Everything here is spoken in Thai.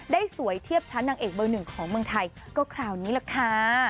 สวยเทียบชั้นนางเอกเบอร์หนึ่งของเมืองไทยก็คราวนี้แหละค่ะ